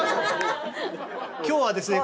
今日はですね